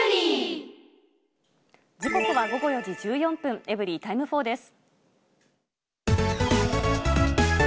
時刻は午後４時１４分、エブリィタイム４です。